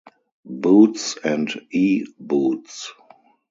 Boots and E. Boots.